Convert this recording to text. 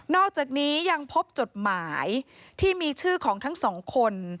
อกจากนี้ยังพบจดหมายที่มีชื่อของทั้งสองคน